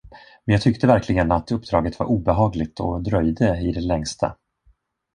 Men jag tyckte verkligen att uppdraget var obehagligt och dröjde i det längsta.